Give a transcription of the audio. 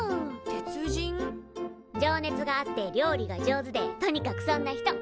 情熱があって料理が上手でとにかくそんな人。